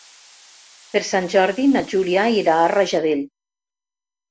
Per Sant Jordi na Júlia irà a Rajadell.